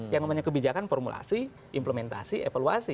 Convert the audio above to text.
yang namanya kebijakan formulasi implementasi evaluasi